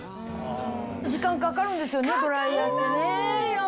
時間かかるんですよねドライヤーってね。